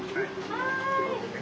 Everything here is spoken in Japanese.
はい。